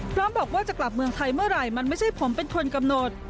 พร้อมบอกว่าจะกลับเมืองไทยเมื่อไหร่มันไม่ใช่ผมเป็นคนกำหนด